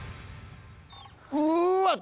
うわっ！